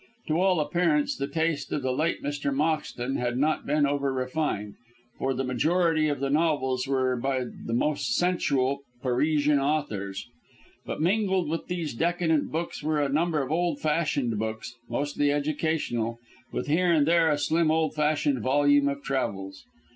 To all appearance the taste of the late Mr. Moxton had not been over refined, for the majority of the novels were by the most sensual Parisian authors. But mingled with these decadent works were a number of old fashioned books, mostly educational, with here and there a slim old fashioned volume of travels.